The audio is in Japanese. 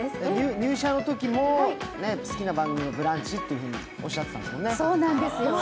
入社のときも、好きな番組は「ブランチ」とおっしゃっていたんですよね。